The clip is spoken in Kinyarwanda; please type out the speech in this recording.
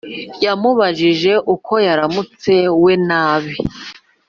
yamubajije uko yaramutse we nabe